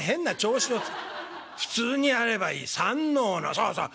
「そうそう。